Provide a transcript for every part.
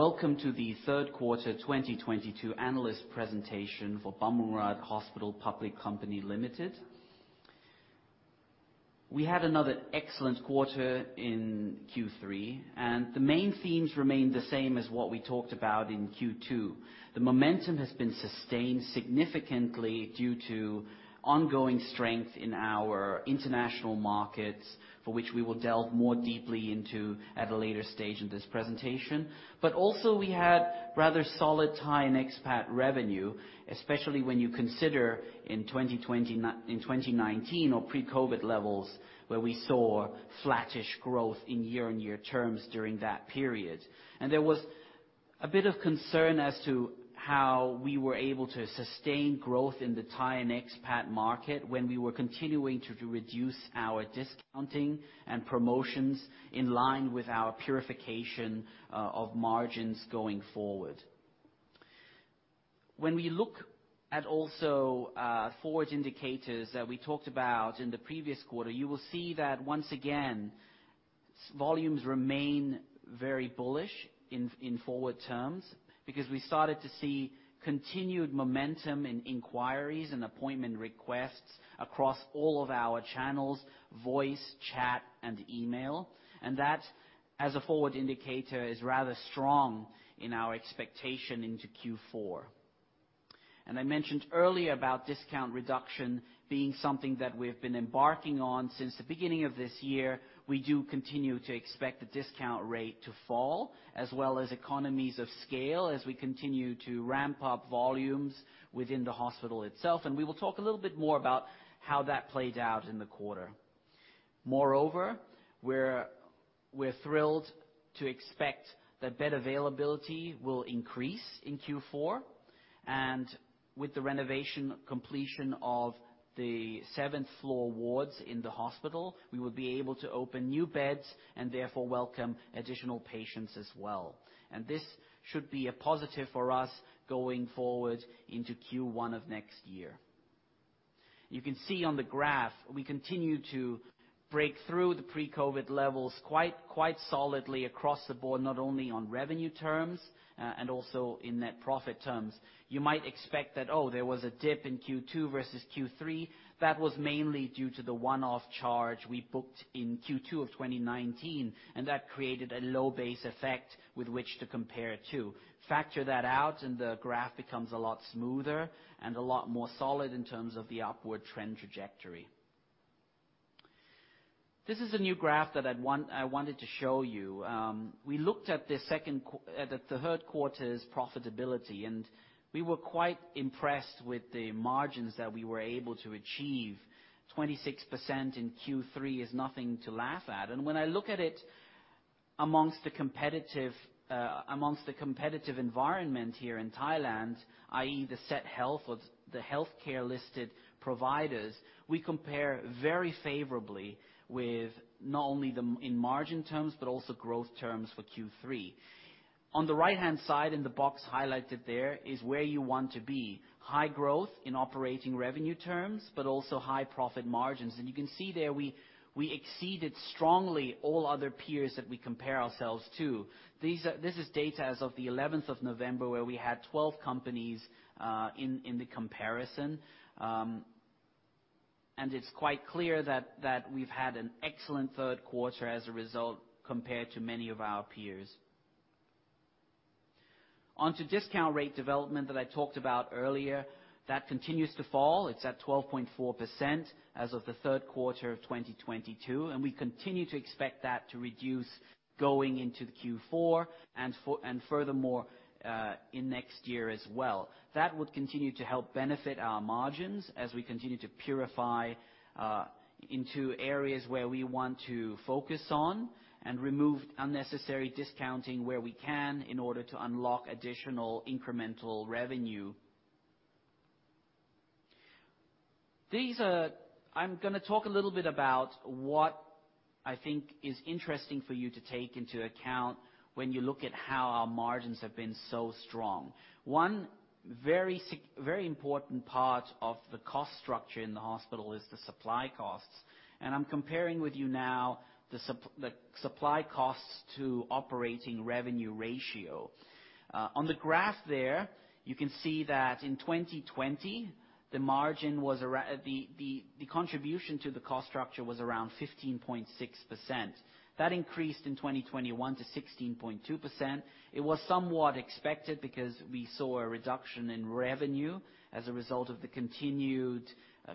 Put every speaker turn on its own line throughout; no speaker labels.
Welcome to the third quarter 2022 analyst presentation for Bumrungrad Hospital Public Company Limited. We had another excellent quarter in Q3, and the main themes remain the same as what we talked about in Q2. The momentum has been sustained significantly due to ongoing strength in our international markets, for which we will delve more deeply into at a later stage in this presentation. Also we had rather solid Thai and expat revenue, especially when you consider in 2019 or pre-COVID levels, where we saw flattish growth in year-on-year terms during that period. There was a bit of concern as to how we were able to sustain growth in the Thai and expat market when we were continuing to reduce our discounting and promotions in line with our purification of margins going forward. When we look at also forward indicators that we talked about in the previous quarter, you will see that once again, volumes remain very bullish in forward terms because we started to see continued momentum in inquiries and appointment requests across all of our channels, voice, chat, and email. That, as a forward indicator, is rather strong in our expectation into Q4. I mentioned earlier about discount reduction being something that we've been embarking on since the beginning of this year. We do continue to expect the discount rate to fall, as well as economies of scale as we continue to ramp up volumes within the hospital itself. We will talk a little bit more about how that played out in the quarter. Moreover, we're thrilled to expect that bed availability will increase in Q4. With the renovation completion of the seventh floor wards in the hospital, we will be able to open new beds and therefore welcome additional patients as well. This should be a positive for us going forward into Q1 of next year. You can see on the graph, we continue to break through the pre-COVID levels quite solidly across the board, not only on revenue terms, and also in net profit terms. You might expect that, oh, there was a dip in Q2 versus Q3. That was mainly due to the one-off charge we booked in Q2 of 2019, and that created a low base effect with which to compare to. Factor that out, and the graph becomes a lot smoother and a lot more solid in terms of the upward trend trajectory. This is a new graph that I wanted to show you. We looked at the third quarter's profitability, and we were quite impressed with the margins that we were able to achieve. 26% in Q3 is nothing to laugh at. When I look at it among the competitive environment here in Thailand, i.e. the SET Health or the healthcare listed providers, we compare very favorably not only in margin terms, but also growth terms for Q3. On the right-hand side in the box highlighted there is where you want to be. High growth in operating revenue terms, but also high profit margins. You can see there we exceeded strongly all other peers that we compare ourselves to. This is data as of the eleventh of November, where we had 12 companies in the comparison. It's quite clear that we've had an excellent third quarter as a result compared to many of our peers. On to discount rate development that I talked about earlier, that continues to fall. It's at 12.4% as of the third quarter of 2022, and we continue to expect that to reduce going into the Q4 and furthermore in next year as well. That would continue to help benefit our margins as we continue to purify into areas where we want to focus on and remove unnecessary discounting where we can in order to unlock additional incremental revenue. I'm gonna talk a little bit about what I think is interesting for you to take into account when you look at how our margins have been so strong. One very important part of the cost structure in the hospital is the supply costs, and I'm comparing with you now the supply costs to operating revenue ratio. On the graph there, you can see that in 2020, the contribution to the cost structure was around 15.6%. That increased in 2021 to 16.2%. It was somewhat expected because we saw a reduction in revenue as a result of the continued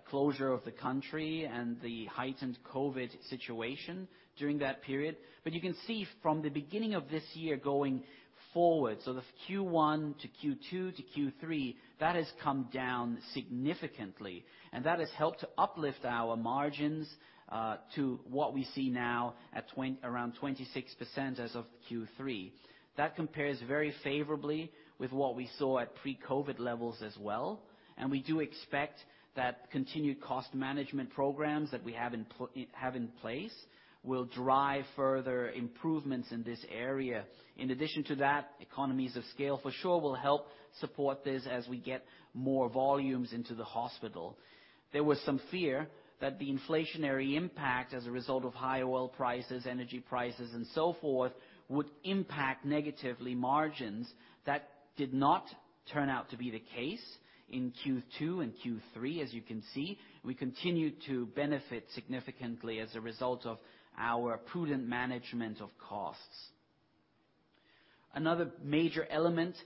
closure of the country and the heightened COVID situation during that period. You can see from the beginning of this year going forward, so the Q1 to Q2 to Q3, that has come down significantly, and that has helped to uplift our margins to what we see now at around 26% as of Q3. That compares very favorably with what we saw at pre-COVID levels as well, and we do expect that continued cost management programs that we have in place will drive further improvements in this area. In addition to that, economies of scale for sure will help support this as we get more volumes into the hospital. There was some fear that the inflationary impact as a result of high oil prices, energy prices, and so forth, would impact negatively margins. That did not turn out to be the case in Q2 and Q3 as you can see. We continued to benefit significantly as a result of our prudent management of costs. Another major element is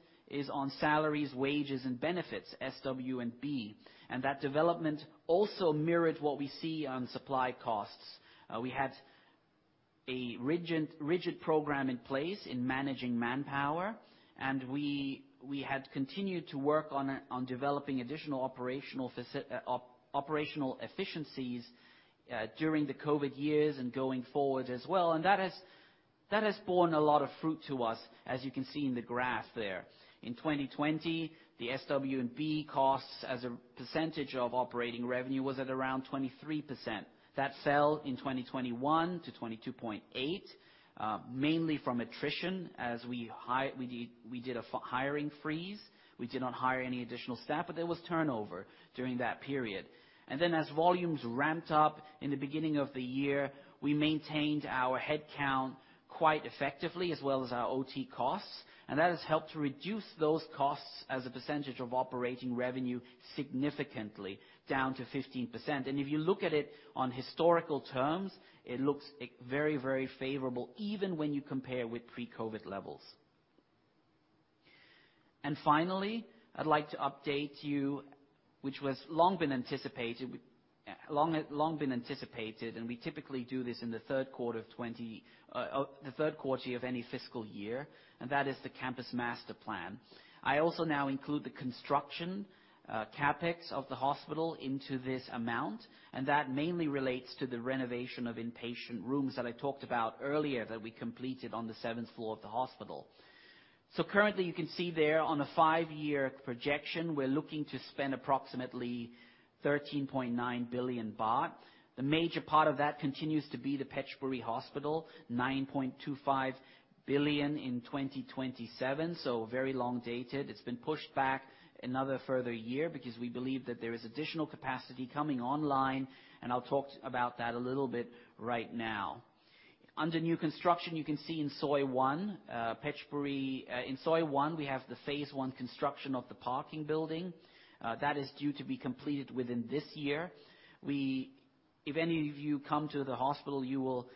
on salaries, wages, and benefits, SW&B, and that development also mirrored what we see on supply costs. We had a rigid program in place in managing manpower, and we had continued to work on developing additional operational efficiencies during the COVID years and going forward as well. That has borne a lot of fruit to us, as you can see in the graph there. In 2020, the SW&B costs as a percentage of operating revenue was at around 23%. That fell in 2021 to 22.8%, mainly from attrition as we did a hiring freeze. We did not hire any additional staff, but there was turnover during that period. As volumes ramped up in the beginning of the year, we maintained our headcount quite effectively as well as our OT costs, and that has helped to reduce those costs as a percentage of operating revenue significantly down to 15%. If you look at it on historical terms, it looks very, very favorable even when you compare with pre-COVID levels. Finally, I'd like to update you, which has long been anticipated, and we typically do this in the third quarter of any fiscal year, and that is the campus master plan. I also now include the construction, CapEx of the hospital into this amount, and that mainly relates to the renovation of inpatient rooms that I talked about earlier that we completed on the seventh floor of the hospital. Currently, you can see there on a five-year projection, we're looking to spend approximately 13.9 billion baht. The major part of that continues to be the Petchaburi Hospital, 9.25 billion in 2027, so very long dated. It's been pushed back another further year because we believe that there is additional capacity coming online, and I'll talk about that a little bit right now. Under new construction, you can see in Soi One, Petchaburi, in Soi One, we have the phase one construction of the parking building, that is due to be completed within this year. We. If any of you come to the hospital, you will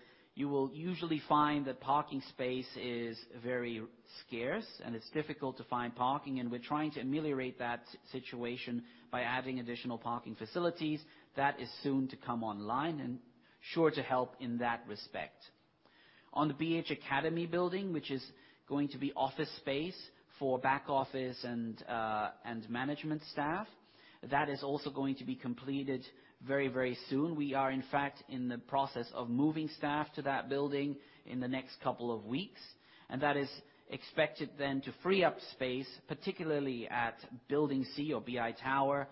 usually find that parking space is very scarce, and it's difficult to find parking, and we're trying to ameliorate that situation by adding additional parking facilities. That is soon to come online and sure to help in that respect. On the BH Academy building, which is going to be office space for back office and management staff, that is also going to be completed very, very soon. We are, in fact, in the process of moving staff to that building in the next couple of weeks, and that is expected then to free up space, particularly at Building C or BI Tower,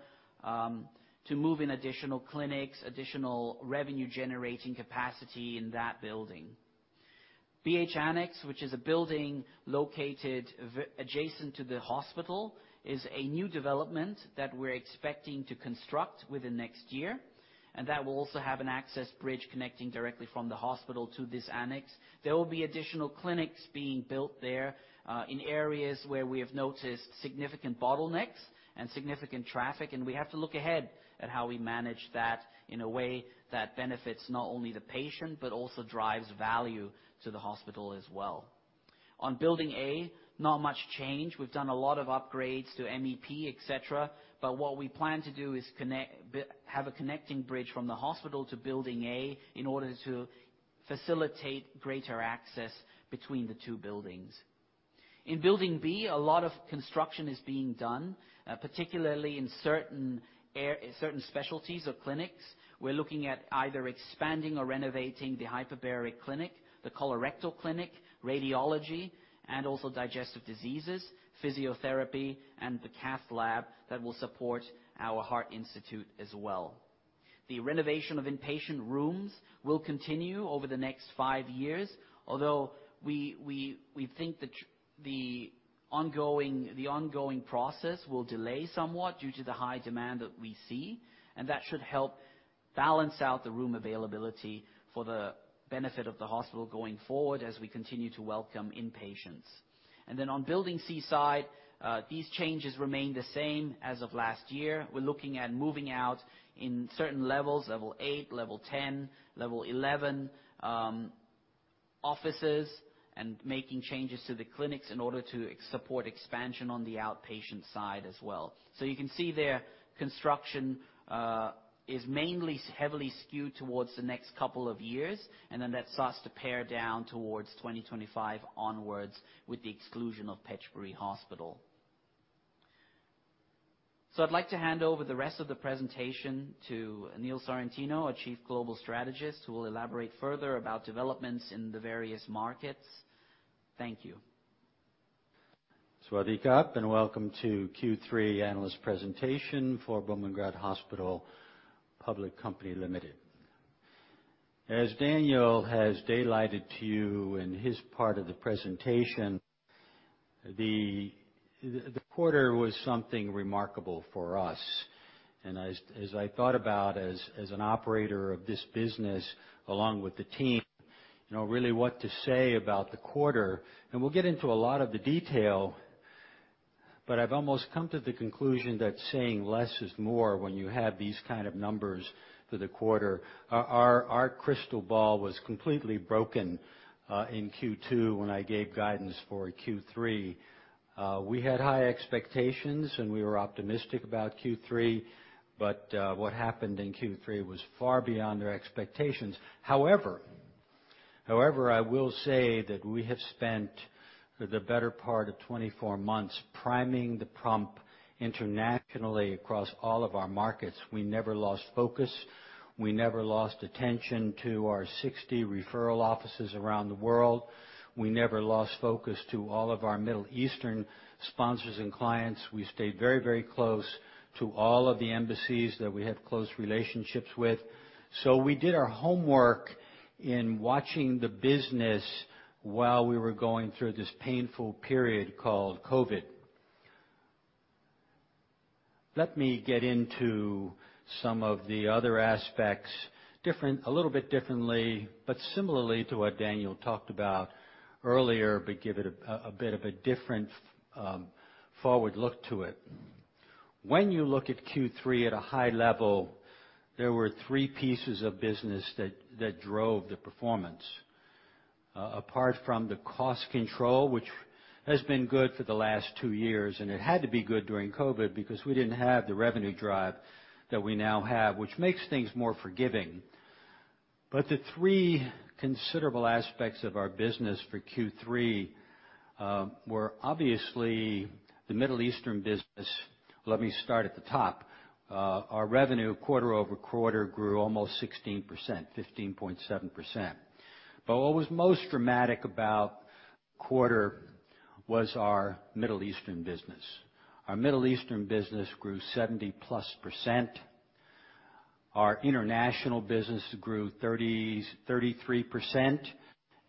to move in additional clinics, additional revenue-generating capacity in that building. BH Annex, which is a building located adjacent to the hospital, is a new development that we're expecting to construct within next year, and that will also have an access bridge connecting directly from the hospital to this annex. There will be additional clinics being built there, in areas where we have noticed significant bottlenecks and significant traffic, and we have to look ahead at how we manage that in a way that benefits not only the patient, but also drives value to the hospital as well. On building A, not much change. We've done a lot of upgrades to MEP, et cetera, but what we plan to do is have a connecting bridge from the hospital to building A in order to facilitate greater access between the two buildings. In building B, a lot of construction is being done, particularly in certain specialties or clinics. We're looking at either expanding or renovating the hyperbaric clinic, the colorectal clinic, radiology, and also digestive diseases, physiotherapy, and the cath lab that will support our Heart Institute as well. The renovation of inpatient rooms will continue over the next 5 years, although we think the ongoing process will delay somewhat due to the high demand that we see, and that should help balance out the room availability for the benefit of the hospital going forward as we continue to welcome inpatients. On building C side, these changes remain the same as of last year. We're looking at moving out in certain levels, level 8, level 10, level 11, offices, and making changes to the clinics in order to support expansion on the outpatient side as well. You can see there, construction is mainly heavily skewed towards the next couple of years, and then that starts to pare down towards 2025 onwards with the exclusion of Petchaburi Hospital. I'd like to hand over the rest of the presentation to Neil Sorrentino, our Chief Global Strategist, who will elaborate further about developments in the various markets. Thank you.
Welcome to Q3 analyst presentation for Bumrungrad Hospital Public Company Limited. As Daniel has delivered to you in his part of the presentation, the quarter was something remarkable for us. I thought about, as an operator of this business along with the team, you know, really what to say about the quarter. We'll get into a lot of the detail, but I've almost come to the conclusion that saying less is more when you have these kind of numbers for the quarter. Our crystal ball was completely broken in Q2 when I gave guidance for Q3. We had high expectations, and we were optimistic about Q3, but what happened in Q3 was far beyond our expectations. However, I will say that we have spent the better part of 24 months priming the pump internationally across all of our markets. We never lost focus. We never lost attention to our 60 referral offices around the world. We never lost focus to all of our Middle Eastern sponsors and clients. We stayed very, very close to all of the embassies that we have close relationships with. We did our homework in watching the business while we were going through this painful period called COVID. Let me get into some of the other aspects a little bit differently, but similarly to what Daniel talked about earlier, but give it a bit of a different forward look to it. When you look at Q3 at a high level, there were three pieces of business that drove the performance. Apart from the cost control, which has been good for the last two years, and it had to be good during COVID because we didn't have the revenue drive that we now have, which makes things more forgiving. The three considerable aspects of our business for Q3 were obviously the Middle Eastern business. Let me start at the top. Our revenue quarter over quarter grew almost 16%, 15.7%. What was most dramatic about quarter was our Middle Eastern business. Our Middle Eastern business grew 70+%. Our international business grew thirty, 33%,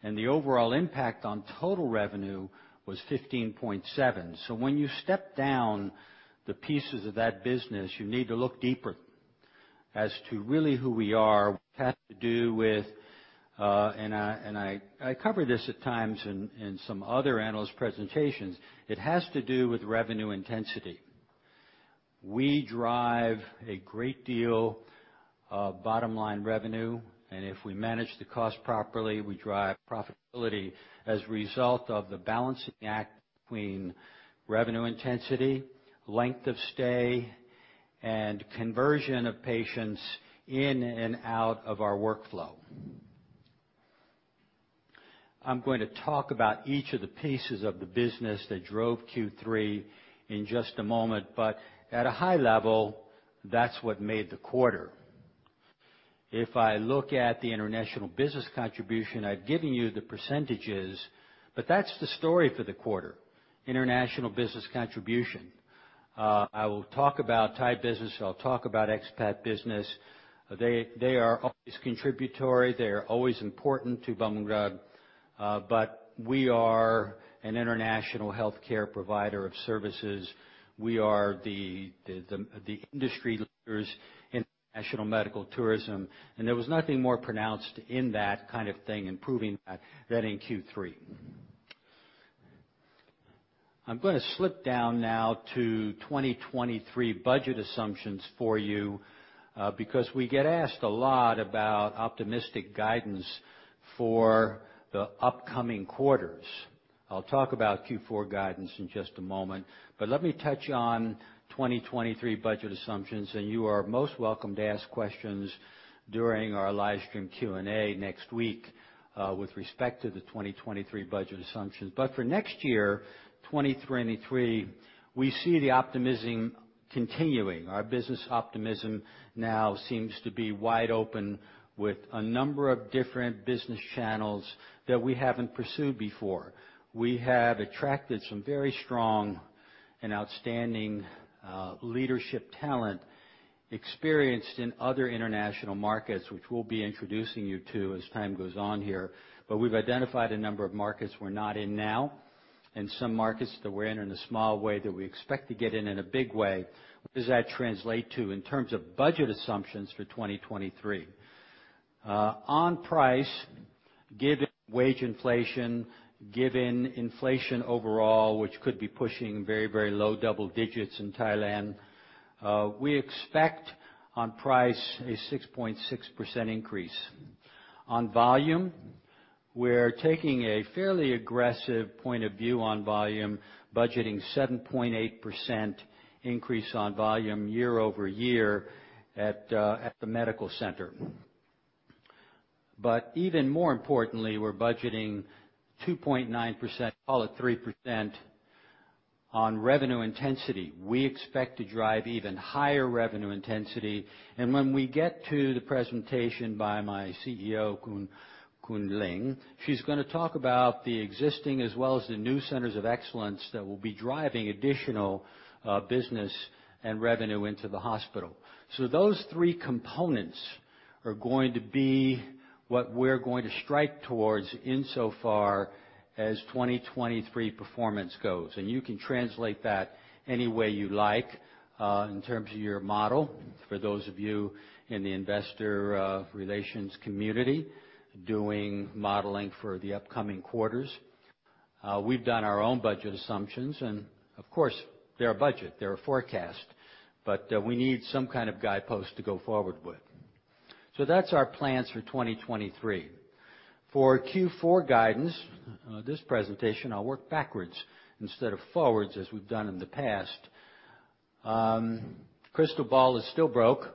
and the overall impact on total revenue was 15.7. When you step down the pieces of that business, you need to look deeper as to really who we are, what it has to do with, and I cover this at times in some other analyst presentations. It has to do with revenue intensity. We drive a great deal of bottom-line revenue, and if we manage the cost properly, we drive profitability as a result of the balancing act between revenue intensity, length of stay, and conversion of patients in and out of our workflow. I'm going to talk about each of the pieces of the business that drove Q3 in just a moment, but at a high level, that's what made the quarter. If I look at the international business contribution, I've given you the percentages, but that's the story for the quarter, international business contribution. I will talk about Thai business. I'll talk about expat business. They are always contributory. They are always important to Bumrungrad, but we are an international healthcare provider of services. We are the industry leaders in international medical tourism, and there was nothing more pronounced in that kind of thing and proving that than in Q3. I'm gonna slip down now to 2023 budget assumptions for you, because we get asked a lot about optimistic guidance for the upcoming quarters. I'll talk about Q4 guidance in just a moment, but let me touch on 2023 budget assumptions, and you are most welcome to ask questions during our live stream Q&A next week, with respect to the 2023 budget assumptions. For next year, 2023, we see the optimism continuing. Our business optimism now seems to be wide open with a number of different business channels that we haven't pursued before. We have attracted some very strong and outstanding leadership talent experienced in other international markets, which we'll be introducing you to as time goes on here. We've identified a number of markets we're not in now and some markets that we're in in a small way that we expect to get in in a big way. What does that translate to in terms of budget assumptions for 2023? On price, given wage inflation, given inflation overall, which could be pushing very, very low double digits in Thailand, we expect on price a 6.6% increase. On volume, we're taking a fairly aggressive point of view on volume, budgeting 7.8% increase on volume year-over-year at the medical center. Even more importantly, we're budgeting 2.9%, call it 3%, on revenue intensity. We expect to drive even higher revenue intensity. When we get to the presentation by my CEO, Artirat Charukitpipat, she's gonna talk about the existing as well as the new centers of excellence that will be driving additional business and revenue into the hospital. Those three components are going to be what we're going to strike towards insofar as 2023 performance goes. You can translate that any way you like in terms of your model, for those of you in the investor relations community doing modeling for the upcoming quarters. We've done our own budget assumptions, and of course, they're a budget, they're a forecast, but we need some kind of guidepost to go forward with. That's our plans for 2023. For Q4 guidance, this presentation, I'll work backwards instead of forwards as we've done in the past. Crystal ball is still broke.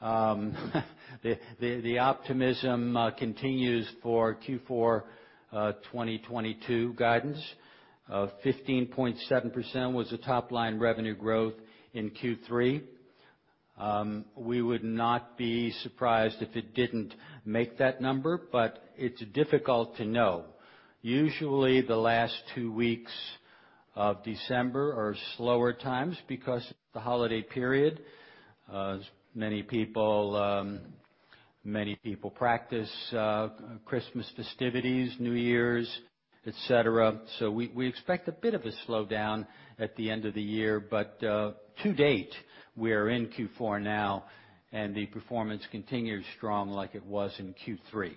The optimism continues for Q4 2022 guidance. 15.7% was the top line revenue growth in Q3. We would not be surprised if it didn't make that number, but it's difficult to know. Usually, the last two weeks of December are slower times because the holiday period, many people practice Christmas festivities, New Year's, et cetera. We expect a bit of a slowdown at the end of the year, but to date, we're in Q4 now, and the performance continues strong like it was in Q3.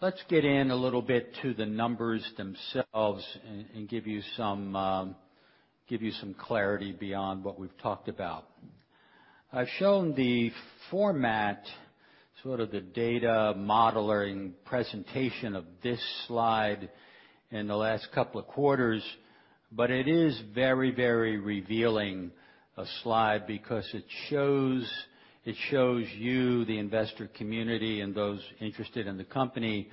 Let's get in a little bit to the numbers themselves and give you some clarity beyond what we've talked about. I've shown the format, sort of the data modeling presentation of this slide in the last couple of quarters, but it is very revealing a slide because it shows you, the investor community and those interested in the company,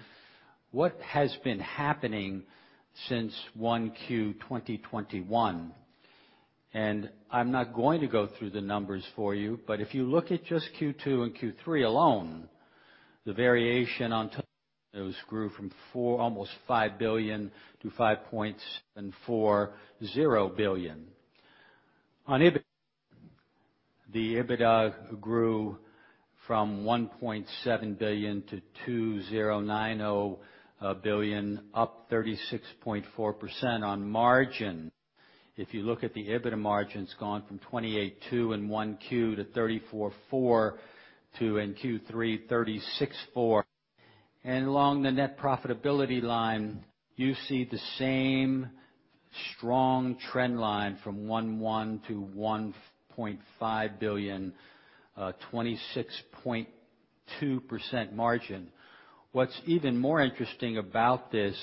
what has been happening since 1Q 2021. I'm not going to go through the numbers for you, but if you look at just Q2 and Q3 alone, the variation on those grew from THB 4-almost 5 billion to 5.40 billion. On EBITDA, the EBITDA grew from 1.7 billion to 2.09 billion, up 36.4% on margin. If you look at the EBITDA margin, it's gone from 28.2 in 1Q to 34.4 in Q3, 36.4. Along the net profitability line, you see the same strong trend line from 1.1 to 1.5 billion, 26.2% margin. What's even more interesting about this,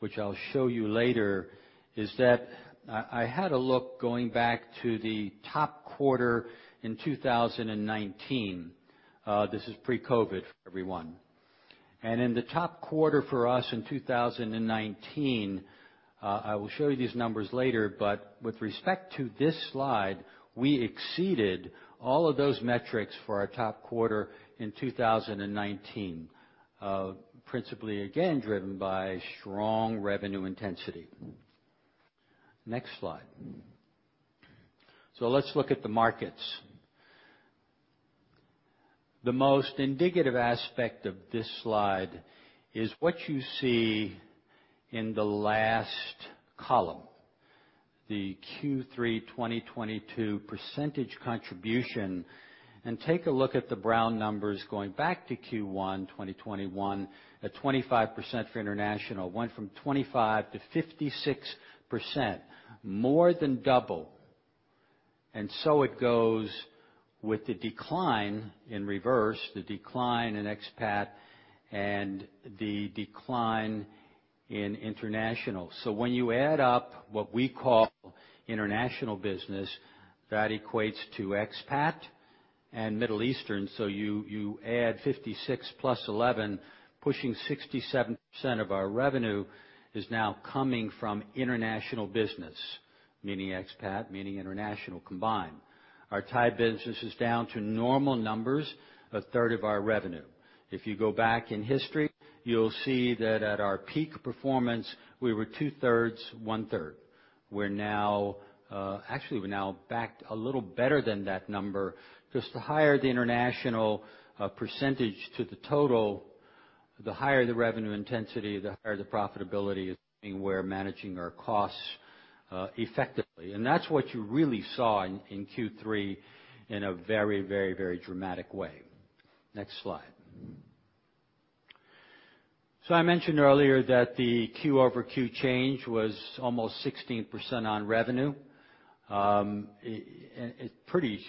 which I'll show you later, is that I had a look going back to the top quarter in 2019. This is pre-COVID, everyone. In the top quarter for us in 2019, I will show you these numbers later, but with respect to this slide, we exceeded all of those metrics for our top quarter in 2019. Principally again driven by strong revenue intensity. Next slide. Let's look at the markets. The most indicative aspect of this slide is what you see in the last column, the Q3 2022 percentage contribution. Take a look at the brown numbers going back to Q1 2021, at 25% for international, went from 25% to 56%, more than double. It goes with the decline in reverse, the decline in expat, and the decline in international. When you add up what we call international business, that equates to expat and Middle Eastern. You add 56 + 11, pushing 67% of our revenue is now coming from international business, meaning expat, meaning international combined. Our Thai business is down to normal numbers, a third of our revenue. If you go back in history, you'll see that at our peak performance, we were 2/3, 1/3. We're now actually back a little better than that number, 'cause the higher the international percentage to the total, the higher the revenue intensity, the higher the profitability is, we're managing our costs effectively. That's what you really saw in Q3 in a very dramatic way. Next slide. I mentioned earlier that the Q over Q change was almost 16% on revenue. Pretty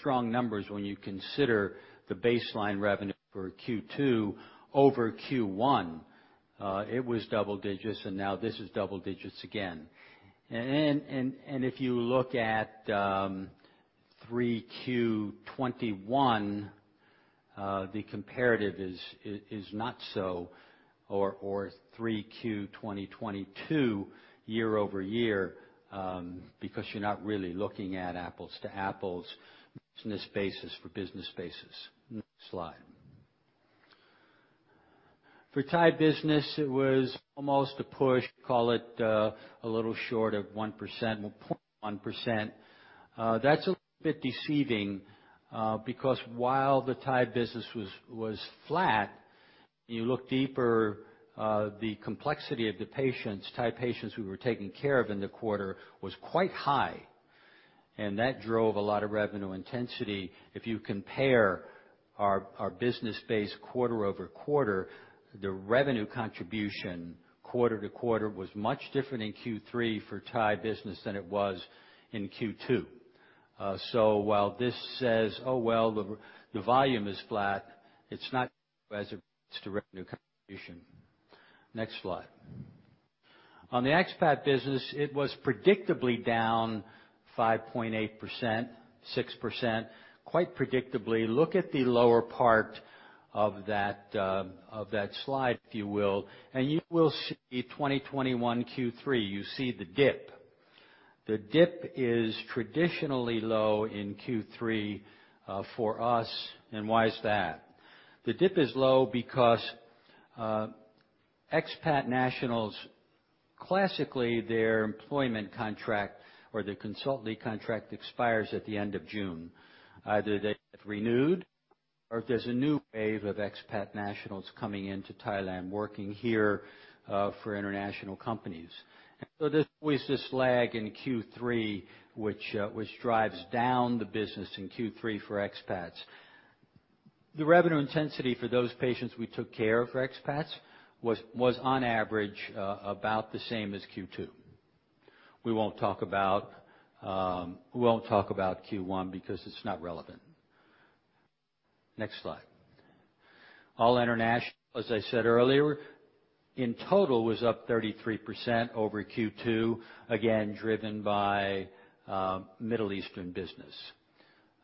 strong numbers when you consider the baseline revenue for Q2 over Q1. It was double digits, and now this is double digits again. If you look at 3Q 2021, the comparative is not so, or 3Q 2022 year-over-year, because you're not really looking at apples to apples business basis for business basis. Next slide. For Thai business, it was almost a push, call it a little short of 1%, well 0.1%. That's a little bit deceiving, because while the Thai business was flat, you look deeper, the complexity of the patients, Thai patients we were taking care of in the quarter was quite high, and that drove a lot of revenue intensity. If you compare our business base quarter-over-quarter, the revenue contribution quarter-to-quarter was much different in Q3 for Thai business than it was in Q2. While this says, "Oh, well, the volume is flat," it's not as it relates to revenue contribution. Next slide. On the expat business, it was predictably down 5.8%, 6%, quite predictably. Look at the lower part of that slide, if you will, and you will see 2021 Q3. You see the dip. The dip is traditionally low in Q3 for us, and why is that? The dip is low because expat nationals, classically, their employment contract or their consultancy contract expires at the end of June. Either they get renewed or if there's a new wave of expat nationals coming into Thailand working here for international companies. There's always this lag in Q3 which drives down the business in Q3 for expats. The revenue intensity for those patients we took care of for expats was on average about the same as Q2. We won't talk about Q1 because it's not relevant. Next slide. All international, as I said earlier, in total was up 33% over Q2, again, driven by Middle Eastern business.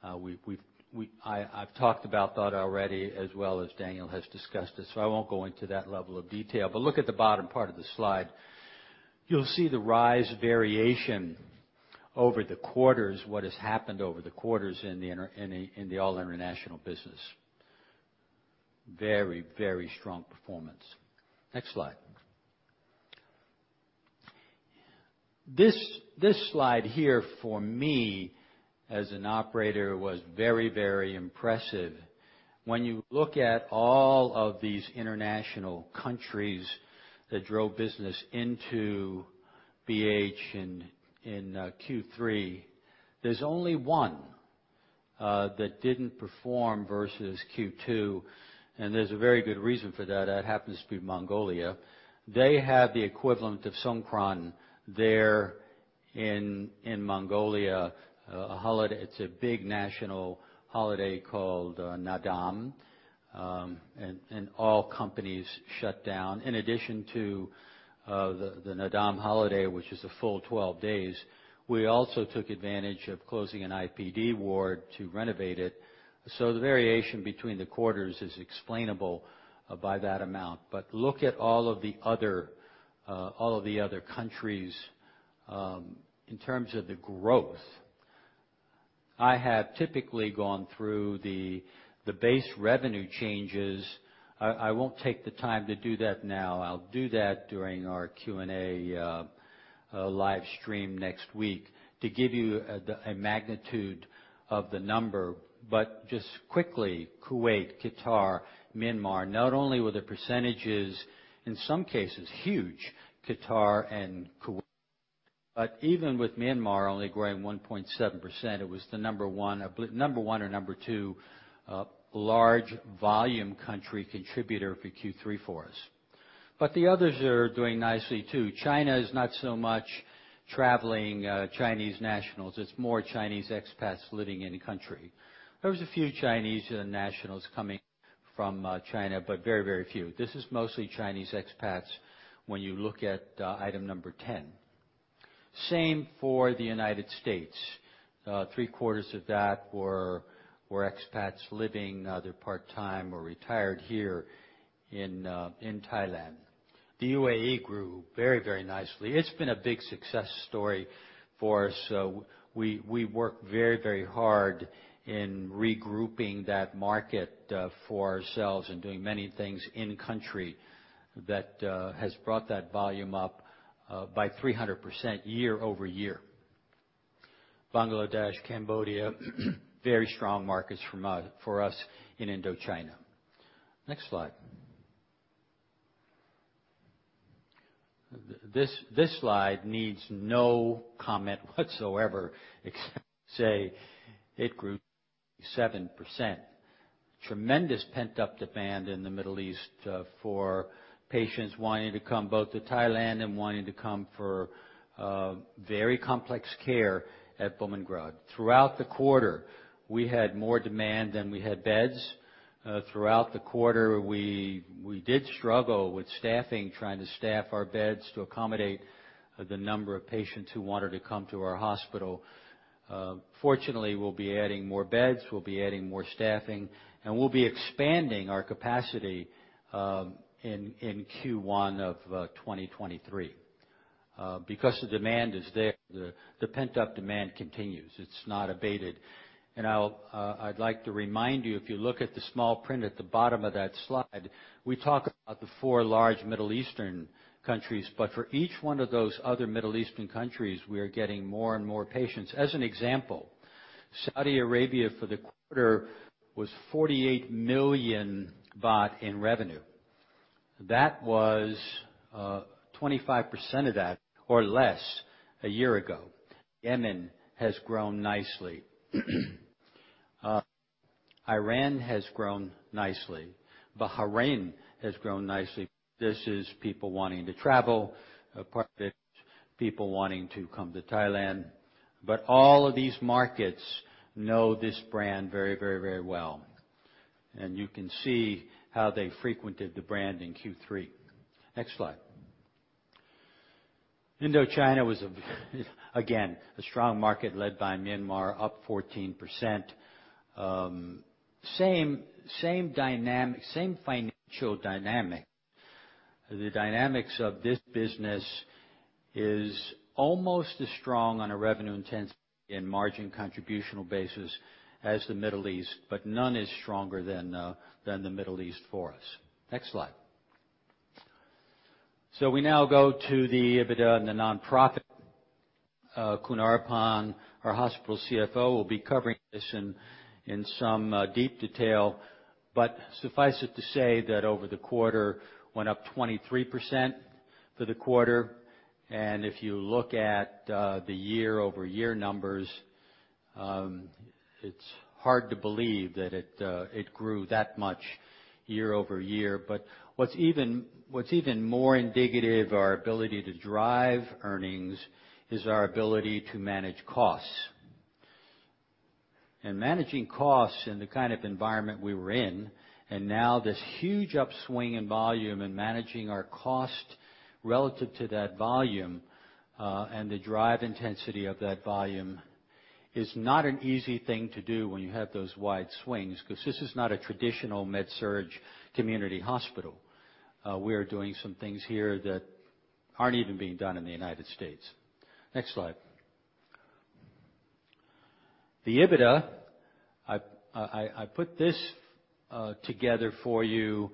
I've talked about that already as well as Daniel has discussed it, so I won't go into that level of detail. Look at the bottom part of the slide. You'll see the rise variation over the quarters, what has happened over the quarters in the all international business. Very strong performance. Next slide. This slide here for me as an operator was very impressive. When you look at all of these international countries that drove business into BH in Q3, there's only one that didn't perform versus Q2, and there's a very good reason for that. That happens to be Mongolia. They have the equivalent of Songkran there in Mongolia. It's a big national holiday called Naadam, and all companies shut down. In addition to the Naadam holiday, which is a full 12 days, we also took advantage of closing an IPD ward to renovate it. The variation between the quarters is explainable by that amount. Look at all of the other countries in terms of the growth. I have typically gone through the base revenue changes. I won't take the time to do that now. I'll do that during our Q&A live stream next week to give you a magnitude of the number. Just quickly, Kuwait, Qatar, Myanmar, not only were the percentages, in some cases, huge, Qatar and Kuwait, but even with Myanmar only growing 1.7%, it was the number one or number two large volume country contributor for Q3 for us. The others are doing nicely too. China is not so much traveling Chinese nationals. It's more Chinese expats living in the country. There was a few Chinese nationals coming from China, but very, very few. This is mostly Chinese expats when you look at item number 10. Same for the United States. Three-quarters of that were expats living, they're part-time or retired here in Thailand. The UAE grew very, very nicely. It's been a big success story for us. We work very, very hard in regrouping that market for ourselves and doing many things in country that has brought that volume up by 300% year-over-year. Bangladesh, Cambodia, very strong markets for us in Indochina. Next slide. This slide needs no comment whatsoever except to say it grew 7%. Tremendous pent-up demand in the Middle East for patients wanting to come both to Thailand and wanting to come for very complex care at Bumrungrad. Throughout the quarter, we had more demand than we had beds. Throughout the quarter, we did struggle with staffing, trying to staff our beds to accommodate the number of patients who wanted to come to our hospital. Fortunately, we'll be adding more beds, we'll be adding more staffing, and we'll be expanding our capacity in Q1 of 2023. Because the demand is there. The pent-up demand continues. It's not abated. I'd like to remind you, if you look at the small print at the bottom of that slide, we talk about the four large Middle Eastern countries, but for each one of those other Middle Eastern countries, we are getting more and more patients. As an example, Saudi Arabia for the quarter was 48 million baht in revenue. That was 25% of that or less a year ago. Yemen has grown nicely. Iran has grown nicely. Bahrain has grown nicely. This is people wanting to travel, part of it, people wanting to come to Thailand. All of these markets know this brand very, very, very well. You can see how they frequented the brand in Q3. Next slide. Indochina was again a strong market led by Myanmar, up 14%. Same dynamic, same financial dynamic. The dynamics of this business is almost as strong on a revenue intensity and margin contributional basis as the Middle East, but none is stronger than the Middle East for us. Next slide. We now go to the EBITDA and the net profit. Oraphan Buamuang, our hospital CFO, will be covering this in some deep detail. Suffice it to say that over the quarter went up 23% for the quarter. If you look at the year-over-year numbers, it's hard to believe that it grew that much year over year. What's even more indicative of our ability to drive earnings is our ability to manage costs. Managing costs in the kind of environment we were in, and now this huge upswing in volume and managing our cost relative to that volume, and the drive intensity of that volume is not an easy thing to do when you have those wide swings, 'cause this is not a traditional med surg community hospital. We're doing some things here that aren't even being done in the United States. Next slide. The EBITDA, I put this together for you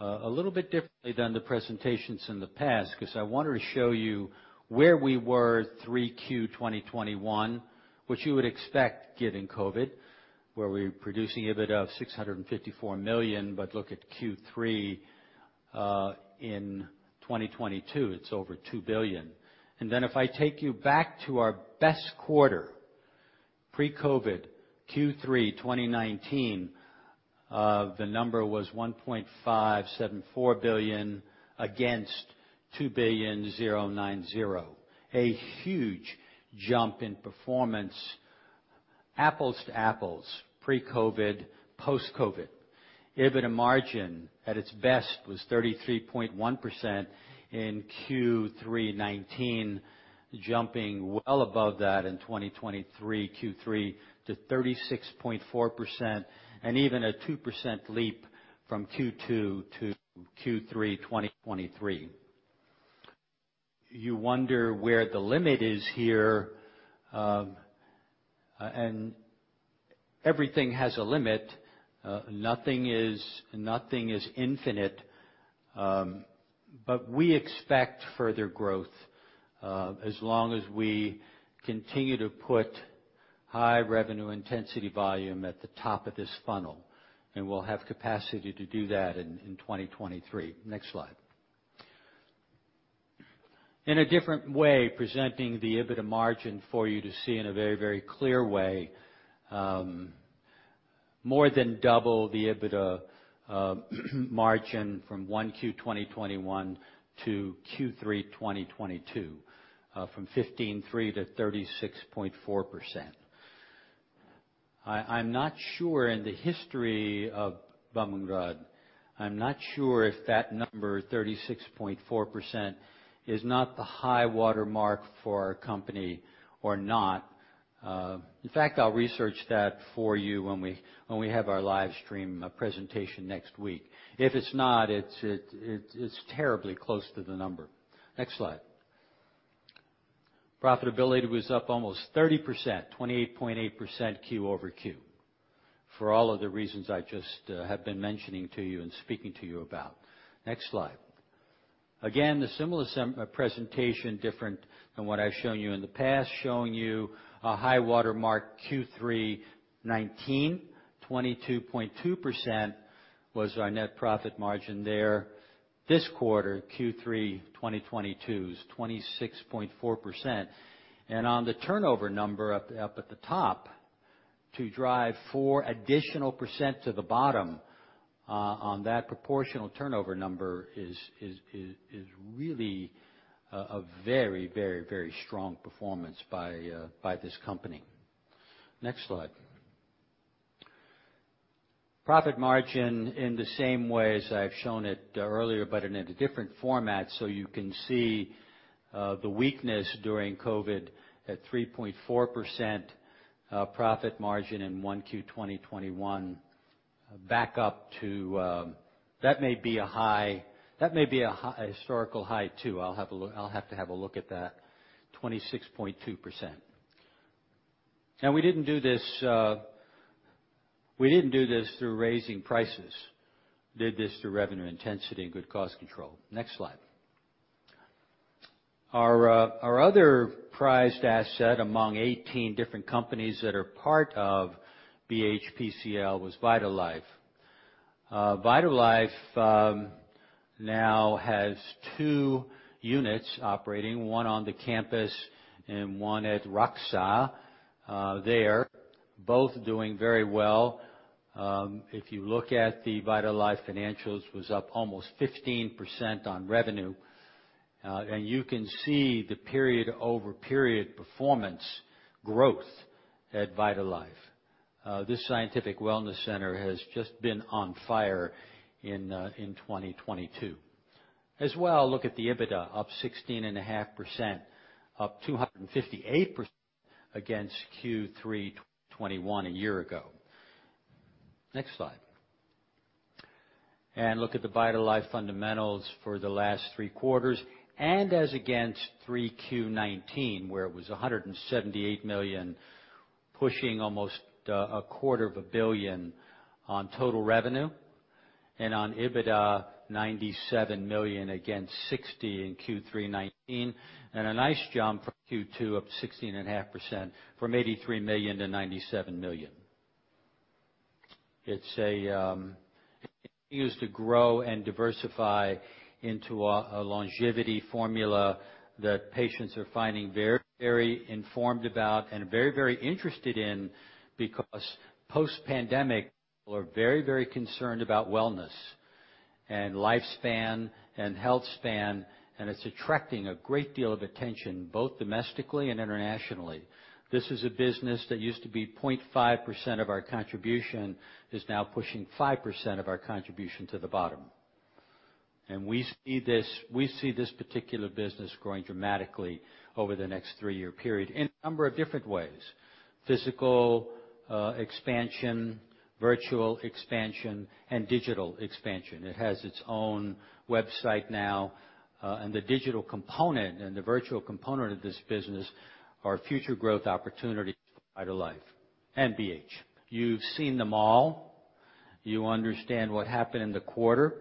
a little bit differently than the presentations in the past, 'cause I wanted to show you where we were Q3 2021, which you would expect given COVID, where we're producing EBITDA of 654 million, but look at Q3 in 2022, it's over 2 billion. Then if I take you back to our best quarter, pre-COVID, Q3 2019, the number was 1.574 billion against 2.090 billion. A huge jump in performance, apples to apples, pre-COVID, post-COVID. EBITDA margin at its best was 33.1% in Q3 2019, jumping well above that in 2023, Q3 to 36.4%, and even a 2% leap from Q2 to Q3 2023. You wonder where the limit is here. Everything has a limit. Nothing is infinite. But we expect further growth as long as we continue to put high revenue intensity volume at the top of this funnel. We'll have capacity to do that in 2023. Next slide. In a different way, presenting the EBITDA margin for you to see in a very, very clear way, more than double the EBITDA margin from 1Q 2021 to Q3 2022, from 15.3% to 36.4%. I'm not sure in the history of Bumrungrad, I'm not sure if that number, 36.4%, is not the high watermark for our company or not. In fact, I'll research that for you when we have our live stream presentation next week. If it's not, it's terribly close to the number. Next slide. Profitability was up almost 30%, 28.8% quarter-over-quarter for all of the reasons I just have been mentioning to you and speaking to you about. Next slide. Again, the similar presentation, different than what I've shown you in the past, showing you a high-water mark Q3 2019, 22.2% was our net profit margin there. This quarter, Q3 2022's, 26.4%. On the turnover number up at the top to drive four additional percent to the bottom, on that proportional turnover number is really a very strong performance by this company. Next slide. Profit margin in the same way as I've shown it earlier but in a different format, so you can see, the weakness during COVID at 3.4%, profit margin in 1Q 2021 back up to. That may be a historical high too. I'll have to have a look at that. 26.2%. We didn't do this through raising prices. Did this through revenue intensity and good cost control. Next slide. Our other prized asset among 18 different companies that are part of BH PCL was VitalLife. VitalLife now has two units operating, one on the campus and one at RAKxa. They're both doing very well. If you look at the VitalLife financials was up almost 15% on revenue. You can see the period-over-period performance growth at VitalLife. This scientific wellness center has just been on fire in 2022. Look at the EBITDA up 16.5%, up 258% against Q3 2021 a year ago. Next slide. Look at the VitalLife fundamentals for the last three quarters and as against 3Q 2019 where it was 178 million, pushing almost a quarter of a billion on total revenue. On EBITDA, 97 million against 60 million in Q3 2019. A nice jump from Q2 of 16.5% from 83 million to 97 million. It's used to grow and diversify into a longevity formula that patients are finding very informed about and very, very interested in because post-pandemic, people are very, very concerned about wellness and lifespan and health span, and it's attracting a great deal of attention both domestically and internationally. This is a business that used to be 0.5% of our contribution, is now pushing 5% of our contribution to the bottom. We see this particular business growing dramatically over the next three-year period in a number of different ways, physical expansion, virtual expansion, and digital expansion. It has its own website now, and the digital component and the virtual component of this business are future growth opportunities for VitalLife and BH. You've seen them all. You understand what happened in the quarter.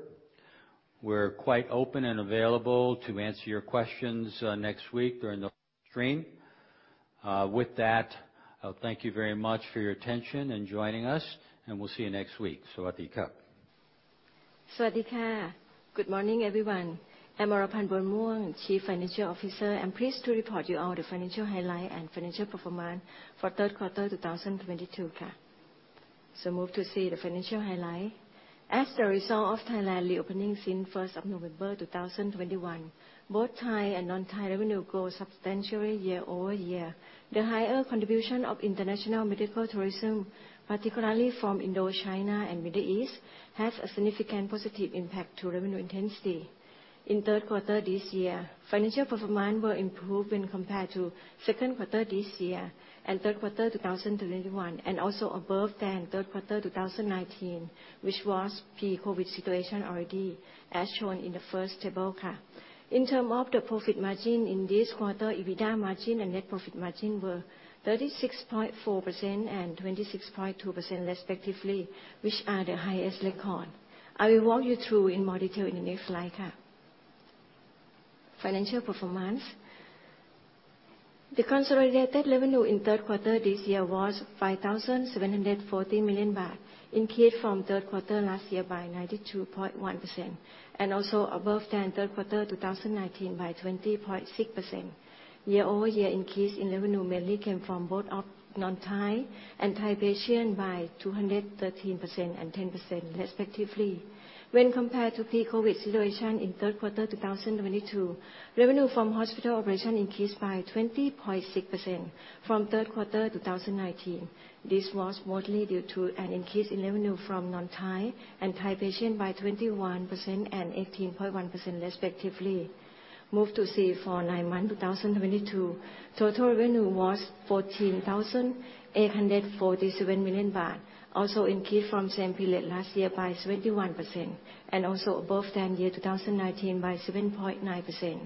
We're quite open and available to answer your questions, next week during the stream. With that, thank you very much for your attention in joining us, and we'll see you next week.
Good morning, everyone. I'm Oraphan Buamuang, Chief Financial Officer. I'm pleased to report to you all the financial highlight and financial performance for third quarter 2022. Move to see the financial highlight. As the result of Thailand reopening since first of November 2021, both Thai and non-Thai revenue grow substantially year over year. The higher contribution of international medical tourism, particularly from Indochina and Middle East, has a significant positive impact to revenue intensity. In third quarter this year, financial performance were improved when compared to second quarter this year and third quarter 2021, and also above than third quarter 2019, which was pre-COVID situation already, as shown in the first table. In terms of the profit margin in this quarter, EBITDA margin and net profit margin were 36.4% and 26.2% respectively, which are the highest record. I will walk you through in more detail in the next slide. Financial performance. The consolidated revenue in third quarter this year was 5,740 million baht, increased from third quarter last year by 92.1% and also above than third quarter 2019 by 20.6%. Year-over-year increase in revenue mainly came from both of non-Thai and Thai patients by 213% and 10% respectively. When compared to pre-COVID situation in third quarter 2022, revenue from hospital operation increased by 20.6% from third quarter 2019. This was mostly due to an increase in revenue from non-Thai and Thai patient by 21% and 18.1% respectively. Moving to the 9-month 2022, total revenue was 14,847 million baht, also increased from same period last year by 71% and also above than year 2019 by 7.9%,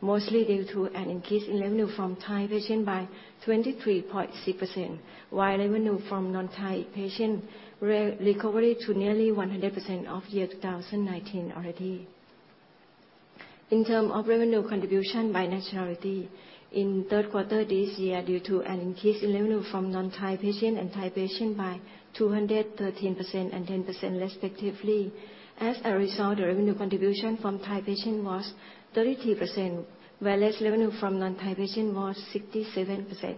mostly due to an increase in revenue from Thai patient by 23.6%, while revenue from non-Thai patient recovered to nearly 100% of year 2019 already. In terms of revenue contribution by nationality, in third quarter this year, due to an increase in revenue from non-Thai patient and Thai patient by 213% and 10% respectively. As a result, the revenue contribution from Thai patient was 33%, whereas revenue from non-Thai patient was 67%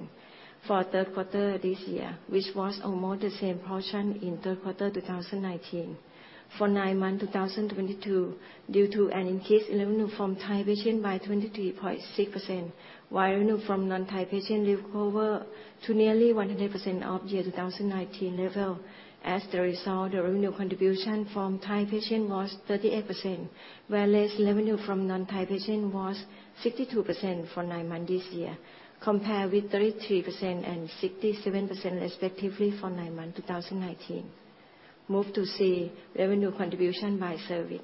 for third quarter this year, which was almost the same portion in third quarter 2019. For nine months 2022, due to an increase in revenue from Thai patient by 23.6%, while revenue from non-Thai patient recover to nearly 100% of year 2019 level. As the result, the revenue contribution from Thai patient was 38%, whereas revenue from non-Thai patient was 62% for nine months this year, compared with 33% and 67% respectively for nine months 2019. Move to see revenue contribution by service.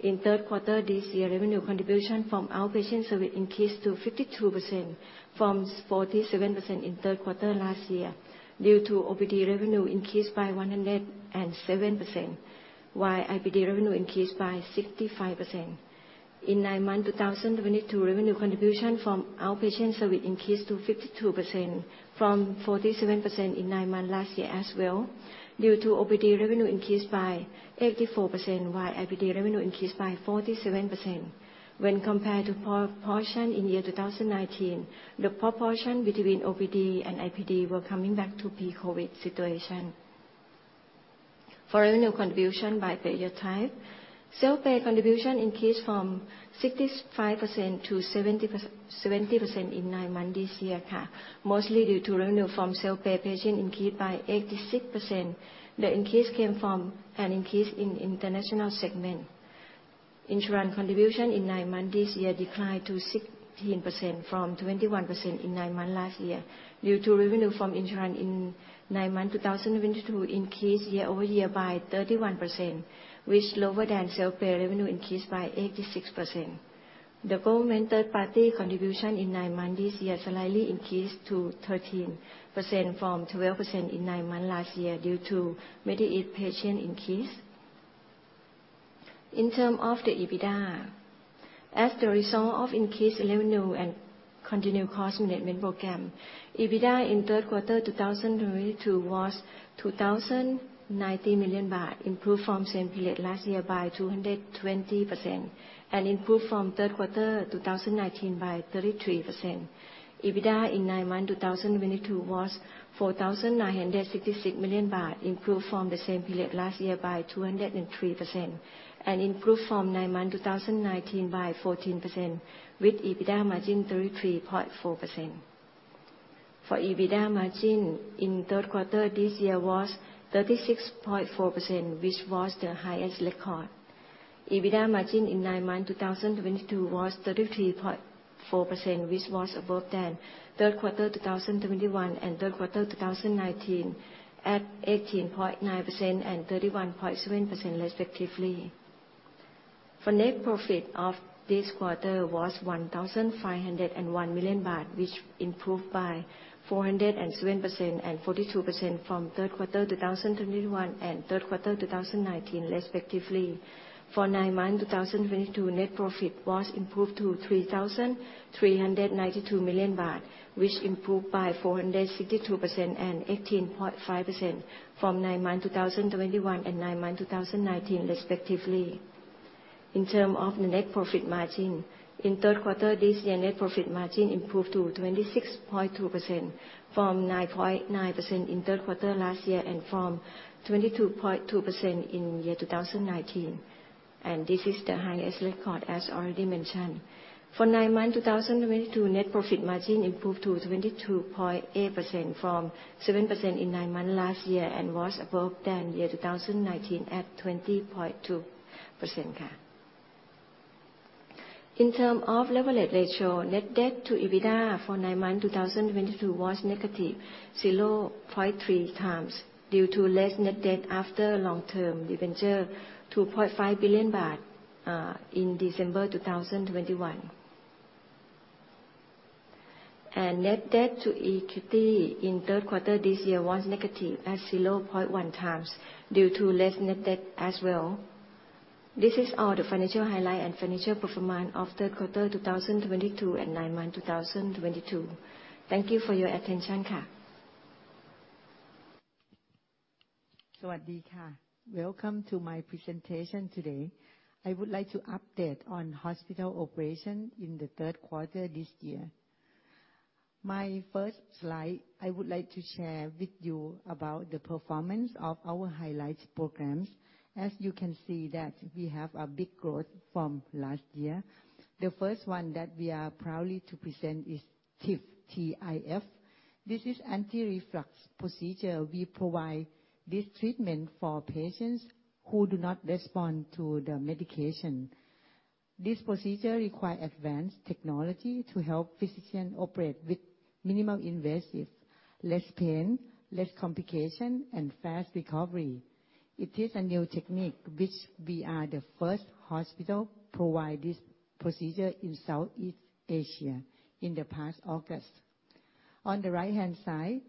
In third quarter this year, revenue contribution from outpatient service increased to 52% from forty-seven percent in third quarter last year due to OPD revenue increased by 107%, while IPD revenue increased by 65%. In nine months 2022, revenue contribution from outpatient service increased to 52% from 47% in nine months last year as well, due to OPD revenue increased by 84%, while IPD revenue increased by 47%. When compared to portion in year 2019, the proportion between OPD and IPD were coming back to pre-COVID situation. For revenue contribution by payer type, self-pay contribution increased from 65% to 70% in nine months this year, mostly due to revenue from self-pay patient increased by 86%. The increase came from an increase in international segment. Insurance contribution in 9 months this year declined to 16% from 21% in 9 months last year due to revenue from insurance in 9 months 2022 increased year-over-year by 31%, which lower than self-pay revenue increased by 86%. The government third party contribution in 9 months this year slightly increased to 13% from 12% in 9 months last year due to Medi-gap patient increase. In terms of the EBITDA, as the result of increased revenue and continued cost management program, EBITDA in third quarter 2022 was 2,090 million baht, improved from same period last year by 220% and improved from third quarter 2019 by 33%. EBITDA in 9 months 2022 was 4,966 million baht, improved from the same period last year by 203% and improved from 9 months 2019 by 14% with EBITDA margin 33.4%. For EBITDA margin in third quarter this year was 36.4%, which was the highest record. EBITDA margin in 9 months 2022 was 33.4%, which was above than third quarter 2021 and third quarter 2019 at 18.9% and 31.7% respectively. For net profit of this quarter was 1,501 million baht, which improved by 407% and 42% from third quarter 2021 and third quarter 2019 respectively. For nine months 2022, net profit improved to 3,392 million baht, which improved by 462% and 18.5% from nine months 2021 and nine months 2019 respectively. In terms of the net profit margin, in third quarter this year, net profit margin improved to 26.2% from 9.9% in third quarter last year and from 22.2% in year 2019, and this is the highest record as already mentioned. For nine months 2022, net profit margin improved to 22.8% from 7% in nine months last year and was above than year 2019 at 20.2%, ka. In terms of leverage ratio, net debt to EBITDA for nine months 2022 was negative 0.3 times due to less net debt after long-term debenture, THB 2.5 billion, in December 2021. Net debt to equity in third quarter this year was negative at 0.1 times due to less net debt as well. This is all the financial highlight and financial performance of third quarter 2022 and nine months 2022. Thank you for your attention, ka.
Welcome to my presentation today. I would like to update on hospital operation in the third quarter this year. My first slide I would like to share with you about the performance of our highlights programs. As you can see that we have a big growth from last year. The first one that we are proudly to present is TIF, T-I-F. This is anti-reflux procedure. We provide this treatment for patients who do not respond to the medication. This procedure require advanced technology to help physician operate with minimal invasive, less pain, less complication, and fast recovery. It is a new technique which we are the first hospital provide this procedure in Southeast Asia in the past August. On the right-hand side,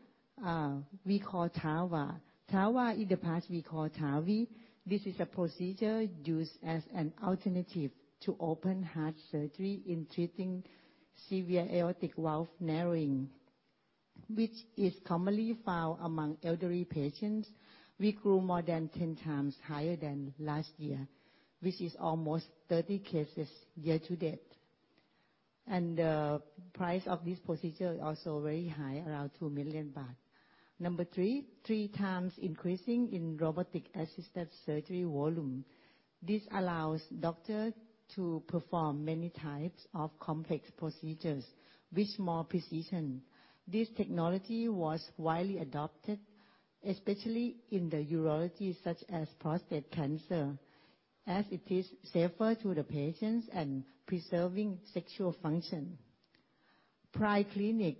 we call TAVR. TAVR, in the past we call TAVI. This is a procedure used as an alternative to open heart surgery in treating severe aortic valve narrowing, which is commonly found among elderly patients. We grew more than 10 times higher than last year, which is almost 30 cases year to date. The price of this procedure is also very high, around 2 million baht. Number 3 times increasing in robotic-assisted surgery volume. This allows doctor to perform many types of complex procedures with more precision. This technology was widely adopted, especially in the urology, such as prostate cancer, as it is safer to the patients and preserving sexual function. Pride Clinic,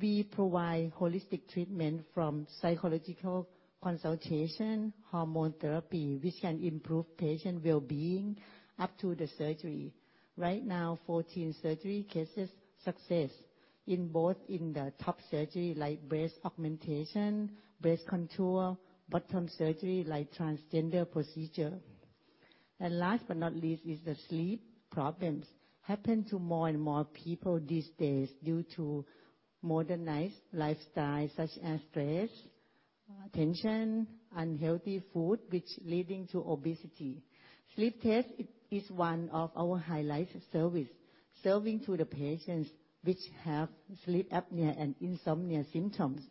we provide holistic treatment from psychological consultation, hormone therapy, which can improve patient wellbeing up to the surgery. Right now, 14 surgery cases success in both in the top surgery, like breast augmentation, breast contour, bottom surgery, like transgender procedure. Last but not least is the sleep problems happen to more and more people these days due to modernized lifestyle such as stress, tension, unhealthy food, which leading to obesity. Sleep test is one of our highlight service, serving to the patients which have sleep apnea and insomnia symptoms.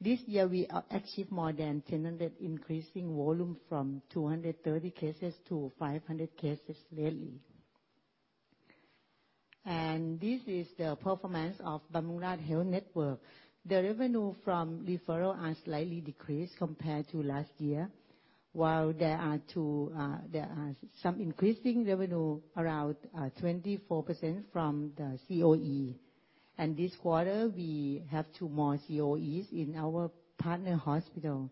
This year, we are achieve more than 1,000 increasing volume from 230 cases to 500 cases yearly. This is the performance of Bumrungrad Health Network. The revenue from referral are slightly decreased compared to last year. While there are two, there are some increasing revenue around 24% from the COE. This quarter, we have two more COEs in our partner hospital.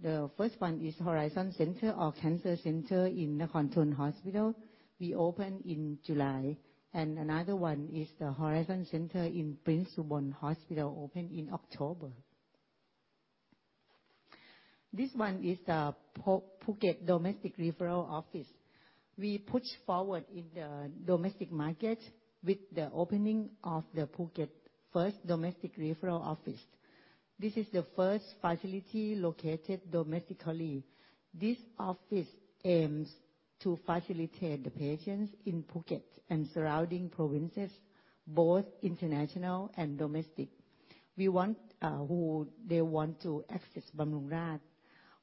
The first one is Horizon Cancer Center in Nakhon Sawan Hospital. We opened in July. Another one is the Horizon Center in Princ Suvarnabhumi Hospital, opened in October. This one is the Phuket Domestic Referral Office. We push forward in the domestic market with the opening of the first Phuket Domestic Referral Office. This is the first facility located domestically. This office aims to facilitate the patients in Phuket and surrounding provinces, both international and domestic. We want who they want to access Bumrungrad.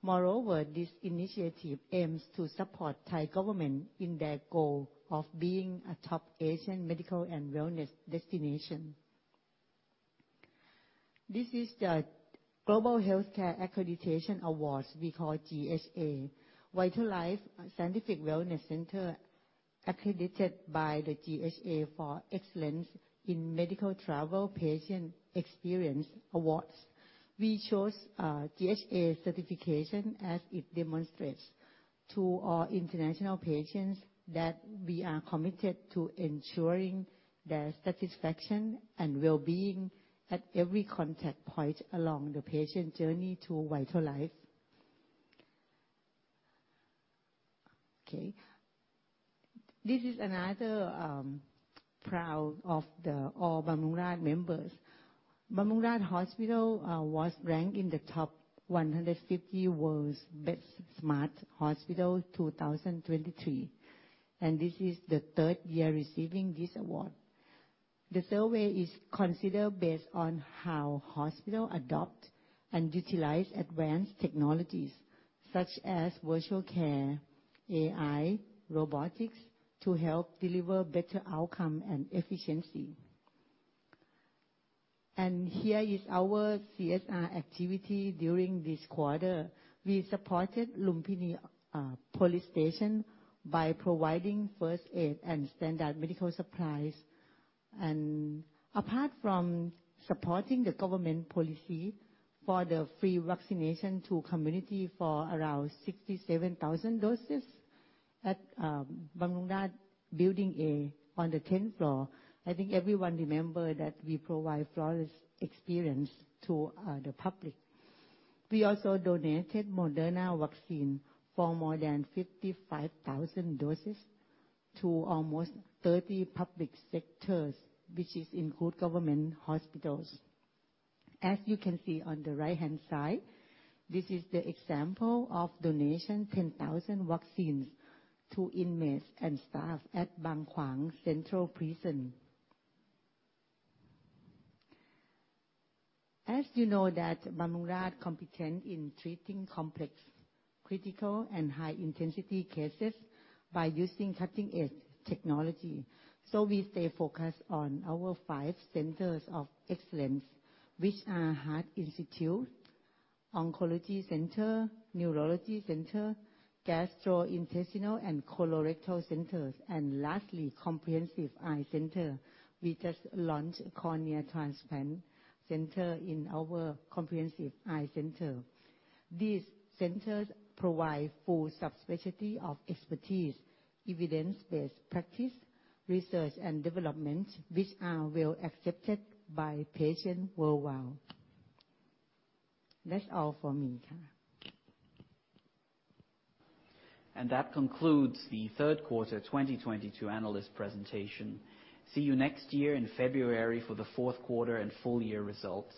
Moreover, this initiative aims to support the Thai government in their goal of being a top Asian medical and wellness destination. This is the Global Healthcare Accreditation Awards, we call GHA. VitalLife Scientific Wellness Center accredited by the GHA for Excellence in Medical Travel Patient Experience Awards. We chose GHA certification as it demonstrates to our international patients that we are committed to ensuring their satisfaction and wellbeing at every contact point along the patient journey to VitalLife. This is another point of pride for all Bumrungrad members. Bumrungrad Hospital was ranked in the top 150 world's best smart hospitals, 2023, and this is the third year receiving this award. The survey is considered based on how hospitals adopt and utilize advanced technologies such as virtual care, AI, robotics, to help deliver better outcomes and efficiency. Here is our CSR activity during this quarter. We supported Lumphini Police Station by providing first aid and standard medical supplies. Apart from supporting the government policy for the free vaccination to community for around 67,000 doses at Bumrungrad Building A on the 10th floor, I think everyone remember that we provide flawless experience to the public. We also donated Moderna vaccine for more than 55,000 doses to almost 30 public sectors, which is include government hospitals. As you can see on the right-hand side, this is the example of donation 10,000 vaccines to inmates and staff at Bang Kwang Central Prison. As you know that Bumrungrad competent in treating complex, critical, and high-intensity cases by using cutting-edge technology. We stay focused on our 5 centers of excellence, which are Heart Institute, Horizon Cancer Center, Neuroscience Center, Digestive Disease (GI) Center, and lastly, Comprehensive Eye Center. We just launched Cornea Transplant Center in our Comprehensive Eye Center. These centers provide full subspecialty of expertise, evidence-based practice, research and development, which are well accepted by patients worldwide. That's all for me.
That concludes the third quarter 2022 analyst presentation. See you next year in February for the fourth quarter and full year results.